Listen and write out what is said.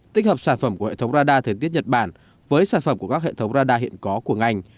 tích hợp sản phẩm của hệ thống radar thời tiết nhật bản với sản phẩm của các hệ thống radar hiện có của ngành